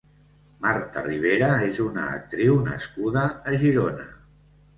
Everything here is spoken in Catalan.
Marta Ribera és una actriu nascuda a Girona.